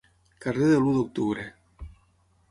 Carrer de l'u d'octubre.